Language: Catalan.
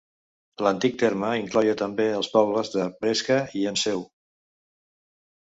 L'antic terme incloïa també els pobles de Bresca i Enseu.